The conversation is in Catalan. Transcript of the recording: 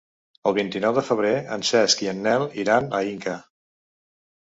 El vint-i-nou de febrer en Cesc i en Nel iran a Inca.